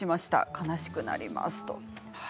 悲しくなります。